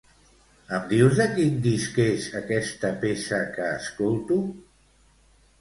Em dius de quin disc és aquesta peça que escolto?